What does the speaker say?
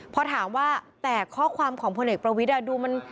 พอถามว่าแต่ข้อความของพลเอกประวิทย์ดูมัน